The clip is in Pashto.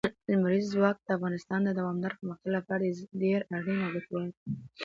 لمریز ځواک د افغانستان د دوامداره پرمختګ لپاره ډېر اړین او ګټور دی.